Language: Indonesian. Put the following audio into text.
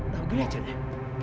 nah begini aja deh